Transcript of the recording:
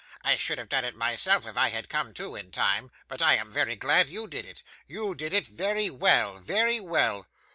I should have done it myself if I had come to in time, but I am very glad you did it. You did it very well; very well.